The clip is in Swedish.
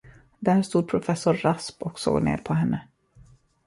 Där stod professor Rasp och såg ner på henne.